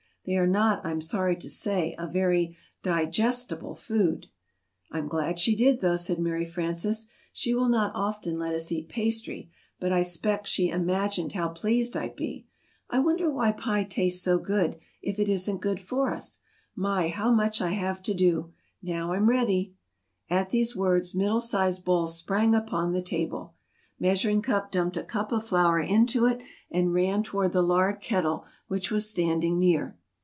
They are not, I'm sorry to say, a very di ges ti ble food." "I'm glad she did, though," said Mary Frances; "she will not often let us eat 'pastry,' but I 'spect she im ag ined how pleased I'd be. I wonder why pie tastes so good, if it isn't good for us? My, how much I have to do! Now I'm ready!" At these words, Middle sized Bowl sprang upon the table. [Illustration: "That's it!"] [Illustration: Sprang upon the table.] Measuring Cup dumped a cup of flour into it, and ran toward the lard kettle, which was standing near.